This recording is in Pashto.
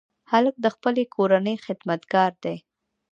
هلک د خپلې کورنۍ خدمتګار دی.